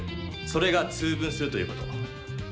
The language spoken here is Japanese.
それが「通分」するということ。